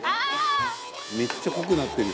「めっちゃ濃くなってる」